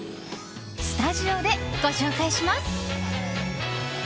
スタジオでご紹介します。